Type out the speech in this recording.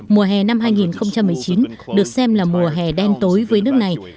mùa hè năm hai nghìn một mươi chín được xem là mùa hè đen tối với nước này